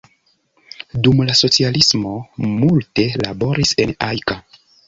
Dum la socialismo multe laboris en Ajka.